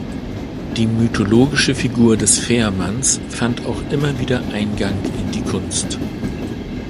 Die mythologische Figur des Fährmanns fand auch immer wieder Eingang in die Kunst.